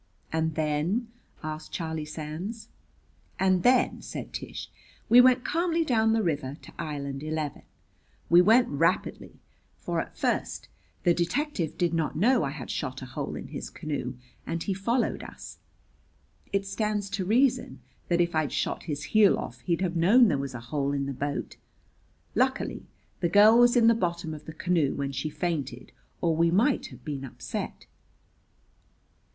"And then?" asked Charlie Sands. "And then," said Tish, "we went calmly down the river to Island Eleven. We went rapidly, for at first the detective did not know I had shot a hole in his canoe, and he followed us. It stands to reason that if I'd shot his heel off he'd have known there was a hole in the boat. Luckily the girl was in the bottom of the canoe when she fainted or we might have been upset."